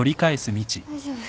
大丈夫。